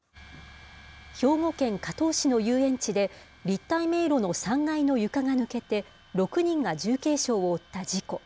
兵庫県加東市の遊園地で、立体迷路の３階の床が抜けて、６人が重軽傷を負った事故。